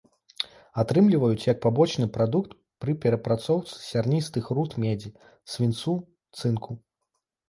Атрымліваюць як пабочны прадукт пры перапрацоўцы сярністых руд медзі, свінцу, цынку.